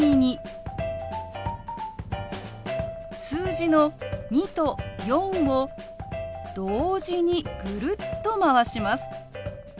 数字の「２」と「４」を同時にぐるっとまわします。